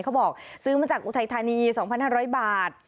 เขาบอกซื้อมาจากอุทัยธานี๒๕๐๐บาท